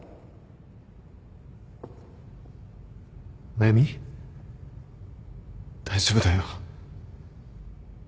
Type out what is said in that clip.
繭美大丈夫だよ。